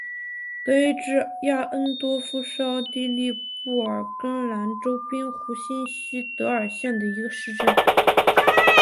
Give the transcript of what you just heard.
德意志亚恩多夫是奥地利布尔根兰州滨湖新锡德尔县的一个市镇。